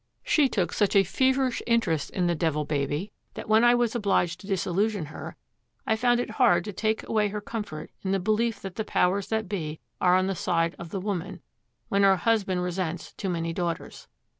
She took such a feverish interest in the Devil Baby that when I was obliged to disillusion her, I found it hard to take away her comfort in the belief that the Powers that Be are on the side of the woman, when her husband resents too many daughters.